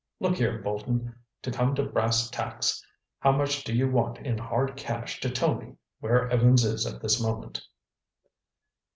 Look here, Bolton, to come to brass tacks, how much do you want in hard cash to tell me where Evans is at this moment?"